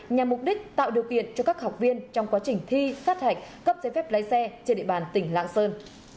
nhằm mục đích tạo điều kiện cho các học viên trong quá trình thi sát hạch cấp giấy phép lái xe trên địa bàn tỉnh lạng sơn